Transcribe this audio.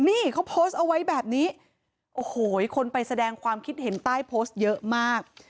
นี่เขาโพสต์เอาไว้แบบนี้โอ้โหคนไปแสดงความคิดเห็นใต้โพสต์เยอะมาก